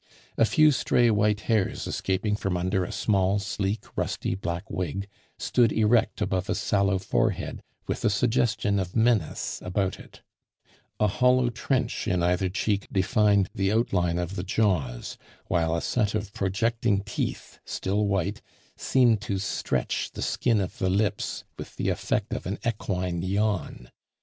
A few stray white hairs escaping from under a small, sleek, rusty black wig, stood erect above a sallow forehead with a suggestion of menace about it; a hollow trench in either cheek defined the outline of the jaws; while a set of projecting teeth, still white, seemed to stretch the skin of the lips with the effect of an equine yawn.